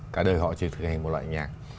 cả đời họ chỉ thực hành một loại nhạc